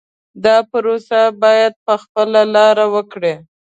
دا پروسه باید په خپله لاره وکړي.